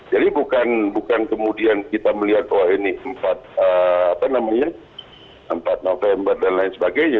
jadi bukan kemudian kita melihat oh ini empat november dan lain sebagainya